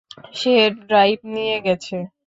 সে drive নিয়ে গেছে।